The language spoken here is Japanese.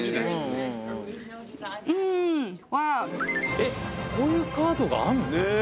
えっこういうカードがあんの？ねぇ。